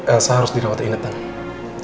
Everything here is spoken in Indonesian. elsa harus dirawat di unit tante